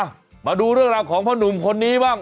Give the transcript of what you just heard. อ้าวมาดูเรื่องราวของผ้านุ่มคนนี้บ้าง